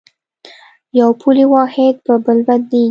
یو پولي واحد په بل بدلېږي.